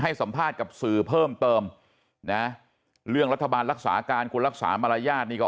สัมภาษณ์กับสื่อเพิ่มเติมนะเรื่องรัฐบาลรักษาการคุณรักษามารยาทนี่ก็